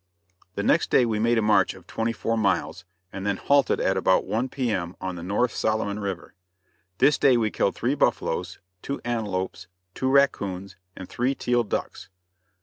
The next day we made a march of twenty four miles, and then halted at about 1 P. M. on the North Solomon River. This day we killed three buffaloes, two antelopes, two raccoons, and three teal ducks.